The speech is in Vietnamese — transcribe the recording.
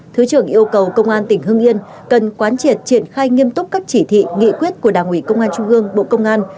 thứ trưởng yêu cầu công an tỉnh hưng yên cần quán triệt triển khai nghiêm túc các chỉ thị nghị quyết của đảng ủy công an trung gương bộ công an